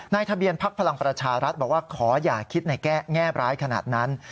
ทะเบียนพักพลังประชารัฐบอกว่าขออย่าคิดในแง่บร้ายขนาดนั้น